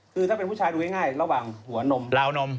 คือถ้าเป็นผู้ชายดูง่ายระหว่างหัวนมราวนม